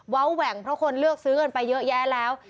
แหว่งเพราะคนเลือกซื้อกันไปเยอะแยะแล้ว